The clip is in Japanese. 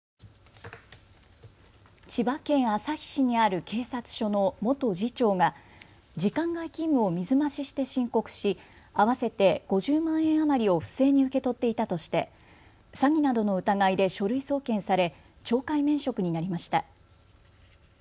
千葉県旭市にある警察署の元次長が時間外勤務を水増しして申告し合わせて５０万円余りを不正に受け取っていたとして詐欺などの疑いで書類送検され懲戒免職になりました。